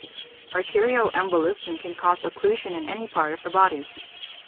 Arterial embolism can cause occlusion in any part of the body.